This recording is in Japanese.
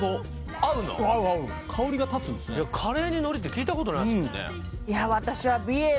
合う合うカレーにのりって聞いたことないですもんね